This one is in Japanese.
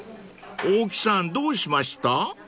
大木さんどうしました？］